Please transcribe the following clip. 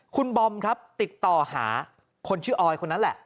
คุณบอมครับติดต่อหาคนชื่อออยคนนั้นแหละ